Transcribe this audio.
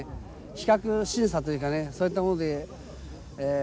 比較審査というかねそういったものでええ